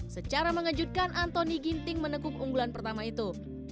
secara mengejutkan antoni ginting menekuk unggulan pertama itu